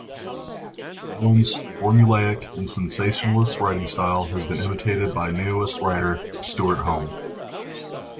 Allen's formulaic and sensationalist writing style has been imitated by Neoist writer Stewart Home.